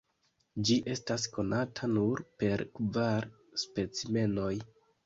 Ĝi estas konata nur per kvar specimenoj.